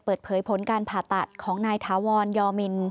เปิดเผยผลการผ่าตัดของนายถาวรยอมิน